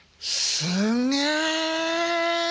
すんげえ。